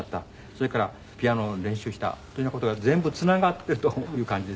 それからピアノの練習したというような事が全部つながってという感じですね。